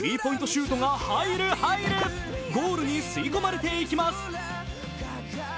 シュートが入る入る、ゴールに吸い込まれていきます。